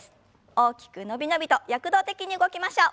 大きく伸び伸びと躍動的に動きましょう。